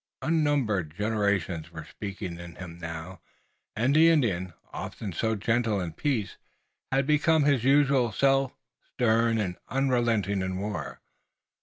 Unnumbered generations were speaking in him now, and the Indian, often so gentle in peace, had become his usual self, stern and unrelenting in war.